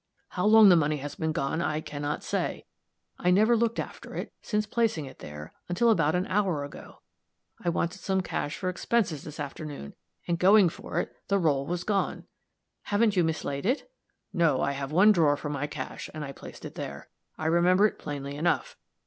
How long the money has been gone, I can not say; I never looked after it, since placing it there, until about an hour ago. I wanted some cash for expenses this afternoon, and going for it, the roll was gone." "Haven't you mislaid it?" "No. I have one drawer for my cash, and I placed it there. I remember it plainly enough.